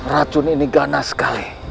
racun ini ganas sekali